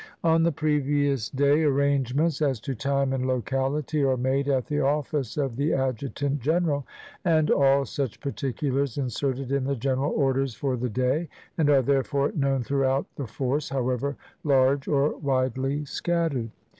On the previous day arrangements, as to time and locality, are made at the ofl&ce of the Adjutant General, and all such particulars inserted in the General Orders for the day, and are, therefore, known throughout the force, however large or widely scattered.